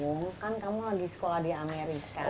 kamu kan kamu lagi sekolah di amerika